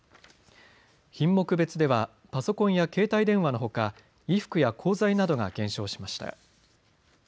品目別ではパソコンや携帯電話のほか衣服や鋼材などが減少しました。